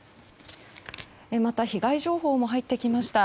また被害情報も入ってきました。